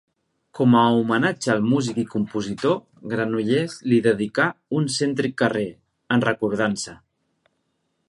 Com a homenatge al músic i compositor, Granollers li dedicà un cèntric carrer, en recordança.